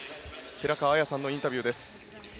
寺川綾さんのインタビューです。